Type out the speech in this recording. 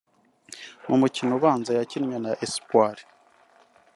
mu mukino ubanza yakinnye na Espoir